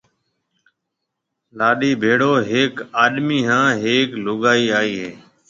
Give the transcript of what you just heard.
لاڏِي ڀيڙو ھيَََڪ آڏمِي ھان ھيَََڪ لوگائِي آئيَ ھيََََ